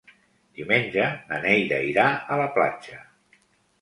Diumenge na Neida irà a la platja.